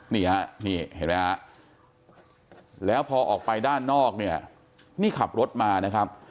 นี่ฮะนี่เห็นไหมฮะแล้วพอออกไปด้านนอกเนี่ยนี่ขับรถมานะครับ